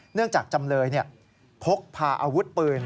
เนื่องจากจำเลยพกพาอาร์วุธปืน